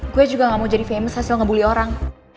gue juga gak mau jadi films hasil ngebully orang